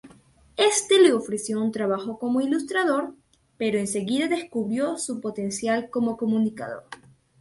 Éste le ofreció un trabajo como ilustrador, pero enseguida descubrió su potencial como comunicador.